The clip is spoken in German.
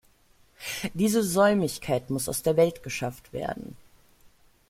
Diese Säumigkeit muss aus der Welt geschafft werden.